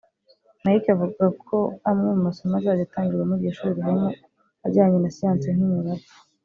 Mike avuga ko amwe mu masomo azajya atangirwa muri iryo shuli harimo ajyanye na siyansi nk’imibare